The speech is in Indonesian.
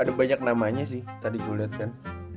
ada banyak namanya sih tadi gue lihat kan